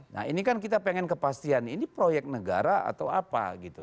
nah ini kan kita pengen kepastian ini proyek negara atau apa gitu